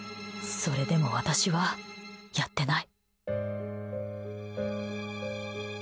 それでも私はやってない！